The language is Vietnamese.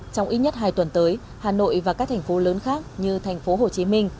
trong ít nhất hai tuần tới hà nội và các thành phố lớn khác như thành phố hồ chí minh